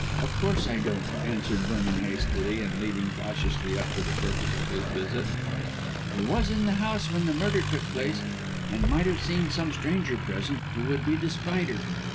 Of course I don't," answered Vernon hastily and leading cautiously up to the purpose of his visit; "but he was in the house when the murder took place and might have seen some stranger present who would be The Spider."